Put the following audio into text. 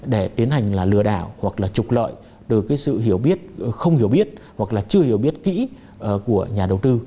để tiến hành là lừa đảo hoặc là trục lợi từ cái sự hiểu biết không hiểu biết hoặc là chưa hiểu biết kỹ của nhà đầu tư